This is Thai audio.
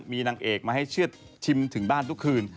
มีนางเอกมาให้เชื่อชิมถึงบ้านทุกคืน